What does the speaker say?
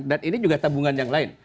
dan ini juga tabungan yang lain